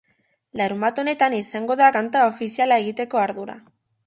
Larunbat honetan izango da kanta ofiziala egiteko ardura.